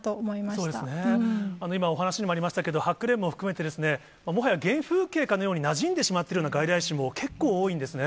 そうですね、今、お話にもありましたけど、ハクレンも含めてですね、もはや原風景かのように、なじんでしまっているような外来種も結構多いんですね。